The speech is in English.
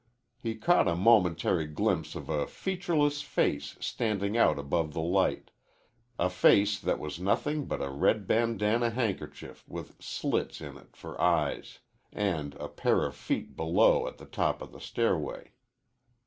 He caught a momentary glimpse of a featureless face standing out above the light a face that was nothing but a red bandanna handkerchief with slits in it for eyes and of a pair of feet below at the top of the stairway.